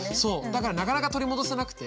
だからなかなか取り戻せなくて。